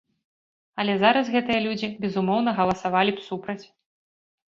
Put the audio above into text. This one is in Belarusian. Але зараз гэтыя людзі, безумоўна, галасавалі б супраць.